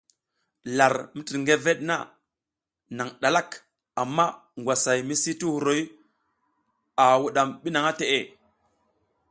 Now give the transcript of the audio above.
Lar mitirgeveɗ e naƞ ɗalak, amma ngwasay misi ti huruy o a wuɗam ɓi naha teʼe.